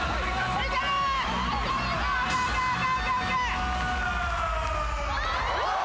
・いけるー！